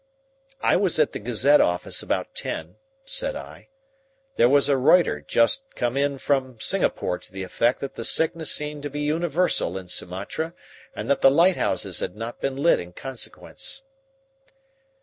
"I was at the Gazette office about ten," said I. "There was a Reuter just come in from Singapore to the effect that the sickness seemed to be universal in Sumatra and that the lighthouses had not been lit in consequence."